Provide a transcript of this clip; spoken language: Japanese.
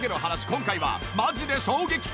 今回はマジで衝撃価格！